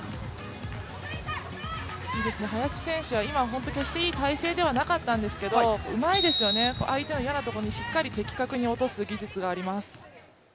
林選手は今、決していい姿勢ではなかったんですけど相手の嫌なところにしっかり的確に落とす技術があります。